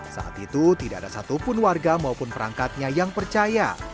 saat itu tidak ada satupun warga maupun perangkatnya yang percaya